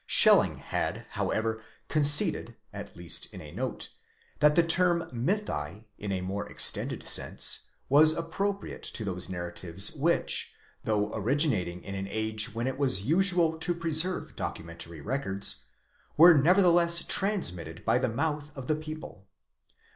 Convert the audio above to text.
Schelling had however conceded (at least in a note) that the term mythi, in a more extended sense, was appropriate to those narratives which, though originating in an age when it was usual to preserve documentary records, were nevertheless transmitted by the mouth of the people.